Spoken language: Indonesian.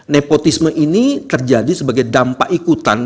nepotisme ini terjadi sebagai dampak ikutan